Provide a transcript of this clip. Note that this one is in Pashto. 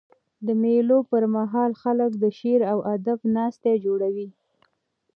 د مېلو پر مهال خلک د شعر او ادب ناستي جوړوي.